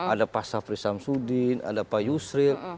ada pak safri samsudin ada pak yusril